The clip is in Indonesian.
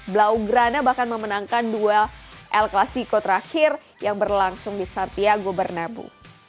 blau grana bahkan memenangkan duel el clasico terakhir yang berlangsung di santiago bernabeu